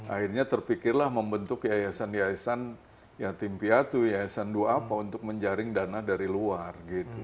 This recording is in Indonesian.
akhirnya terpikirlah membentuk yayasan yayasan yatim piatu yayasan dua apa untuk menjaring dana dari luar gitu